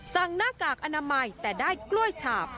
หน้ากากอนามัยแต่ได้กล้วยฉาบ